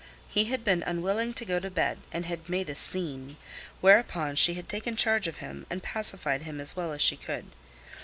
He had been unwilling to go to bed and had made a scene; whereupon she had taken charge of him and pacified him as well as she could.